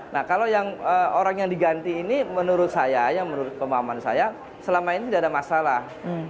nah kalau yang orang yang diganti ini menurut saya yang menurut pemahaman saya selama ini tidak ada masalah